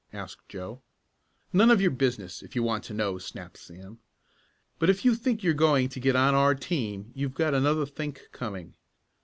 asked Joe. "None of your business, if you want to know," snapped Sam. "But if you think you're going to get on our team you've got another think coming.